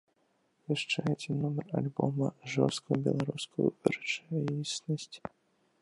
Яшчэ адзін нумар альбома жорсткую беларускую рэчаіснасць.